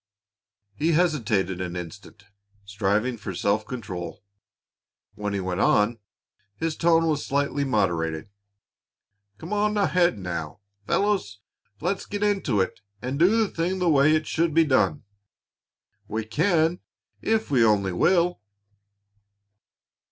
He hesitated an instant, striving for self control. When he went on, his tone was slightly moderated. "Come ahead, now, fellows; let's get into it and do the thing the way it should be done. We can if we only will."